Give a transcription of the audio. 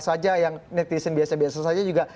saja yang netizen biasa biasa saja juga